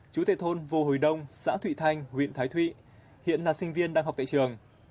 chú tệ thôn vô hồi đông xã thụy thanh huyện thái thụy hiện là sinh viên đang học tại trường